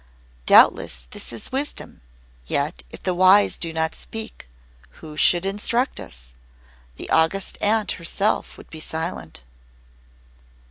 "Doubtless this is wisdom; yet if the wise do not speak, who should instruct us? The August Aunt herself would be silent."